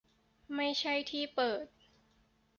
ไม่ใช่ที่เปิด